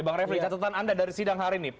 bang refli catatan anda dari sidang hari ini